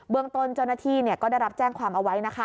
เมืองต้นเจ้าหน้าที่ก็ได้รับแจ้งความเอาไว้นะคะ